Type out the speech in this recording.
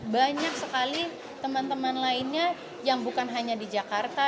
banyak sekali teman teman lainnya yang bukan hanya di jakarta